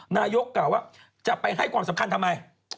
นายกกล่าวว่าจะไปให้ความสำคัญทำไม